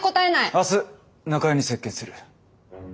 明日中江に接見する。